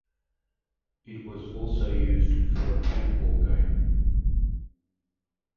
It was also used for a paintball game.